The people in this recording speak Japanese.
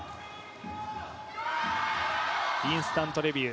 インスタントレビュー。